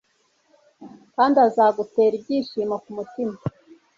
kandi azagutera ibyishimo ku mutima